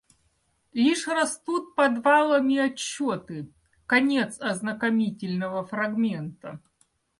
Лишь растут подвалами отчеты, Конец ознакомительного фрагмента.